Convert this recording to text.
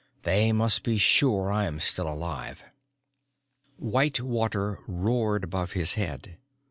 They must be sure I'm still alive._ White water roared above his head.